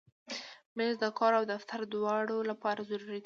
مېز د کور او دفتر دواړو لپاره ضروري دی.